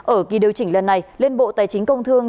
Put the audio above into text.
ở kỳ điều chỉnh lần này liên bộ tài chính công thương